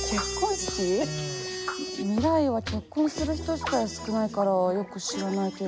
未来は結婚する人自体少ないからよく知らないけど。